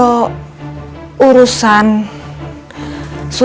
aku punya soal yang salah